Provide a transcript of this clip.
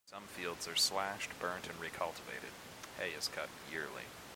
Some fields are slashed, burnt and re-cultivated; hay is cut yearly.